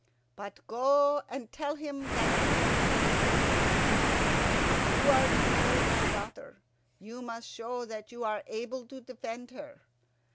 "But go and tell him that I send him this message: 'If you are to marry my daughter, you must show that you are able to defend her.